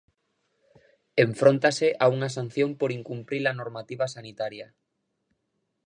Enfróntanse a unha sanción por incumprir a normativa sanitaria.